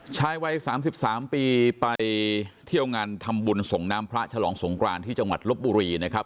ชายวัย๓๓ปีไปเที่ยวงานทำบุญส่งน้ำพระฉลองสงกรานที่จังหวัดลบบุรีนะครับ